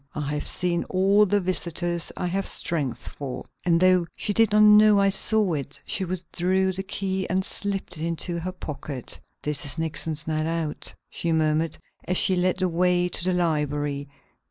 I have seen all the visitors I have strength for." And though she did not know I saw it, she withdrew the key and slipped it into her pocket. "This is Nixon's night out," she murmured, as she led the way to the library.